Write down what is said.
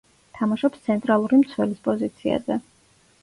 თამაშობს ცენტრალური მცველის პოზიციაზე.